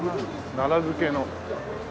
奈良漬の。